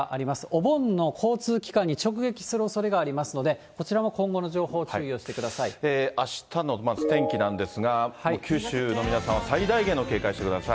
お盆の交通機関に直撃するおそれがありますので、こちらも今後の情報をあしたのまず天気なんですが、九州の皆さんは最大限の警戒をしてください。